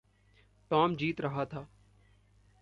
Tom जीत रहा था।